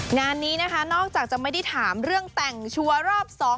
งานนี้นะคะนอกจากจะไม่ได้ถามเรื่องแต่งชัวร์รอบสอง